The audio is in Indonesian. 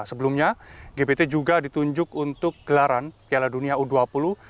sebelumnya gbt juga ditunjuk untuk gelaran piala dunia u dua puluh